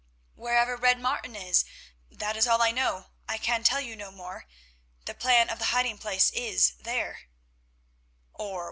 "Wherever Red Martin is, that is all I know. I can tell you no more; the plan of the hiding place is there."